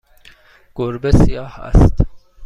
گربه سیاه است.